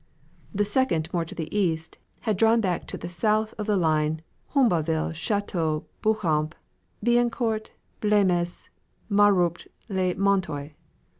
The second, more to the east, had drawn back to the south of the line Humbauville Chateau Beauchamp Bignicourt Blesmes Maurupt le Montoy.